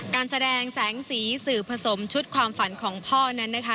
การแสดงแสงสีสื่อผสมชุดความฝันของพ่อนั้นนะคะ